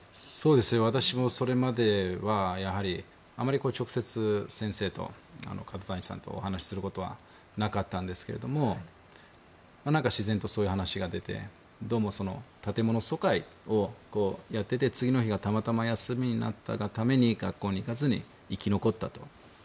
私もそれまではあまり直接角谷さんとお話することはなかったんですけど自然とそういう話が出てどうも疎開をやってて次の日がたまたま休みになったがために学校に行かずに生き残ったと。